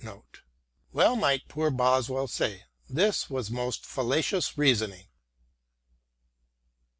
t Well might poor Boswell say, " This was most fallacious reasoning."